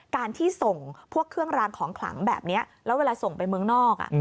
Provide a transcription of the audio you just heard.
การที่ส่งพวกเครื่องรางของขลังแบบนี้แล้วเวลาส่งไปเมืองนอก